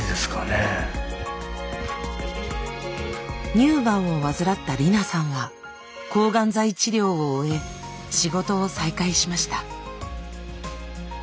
乳がんを患ったりなさんは抗がん剤治療を終え仕事を再開しました。